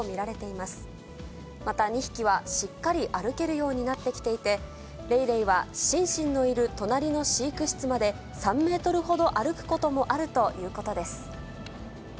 また、２匹はしっかり歩けるようになってきていて、レイレイはシンシンのいる隣の飼育室まで、３メートルほど歩くこともあるということです。